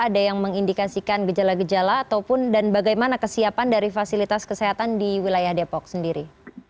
ada yang mengindikasikan gejala gejala ataupun dan bagaimana kesiapan dari fasilitas kesehatan di wilayah depok sendiri